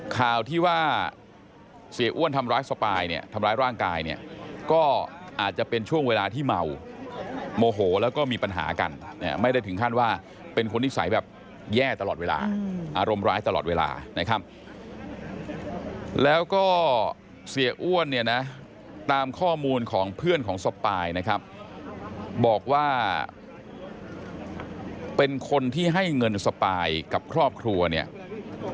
ข่าวที่ว่าเสียอ้วนทำร้ายสปายเนี่ยทำร้ายร่างกายเนี่ยก็อาจจะเป็นช่วงเวลาที่เมาโมโหแล้วก็มีปัญหากันเนี่ยไม่ได้ถึงขั้นว่าเป็นคนนิสัยแบบแย่ตลอดเวลาอารมณ์ร้ายตลอดเวลานะครับแล้วก็เสียอ้วนเนี่ยนะตามข้อมูลของเพื่อนของสปายนะครับบอกว่าเป็นคนที่ให้เงินสปายกับครอบครัวเนี่ย